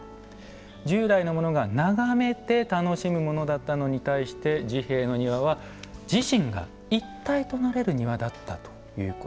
従来のものが眺めて楽しむものだったのに対して治兵衛の庭は自身が一体となれる庭だったということ。